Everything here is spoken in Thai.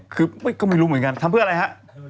คือก็ไม่รู้เหมือนกันทำเพื่ออะไรฮะ